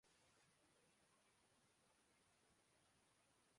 ’بھائی وانٹڈ‘ تکمیل کے باوجود